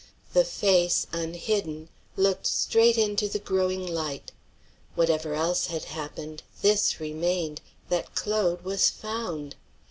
The face, unhidden, looked straight into the growing light. Whatever else had happened, this remained, that Claude was found.